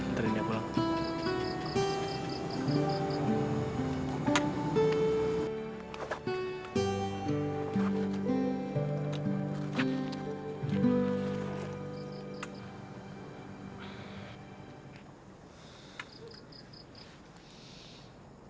ntar ini aku langsung